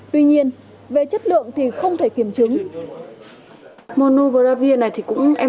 tuy nhiên về chất lượng thì không thể kiểm chứng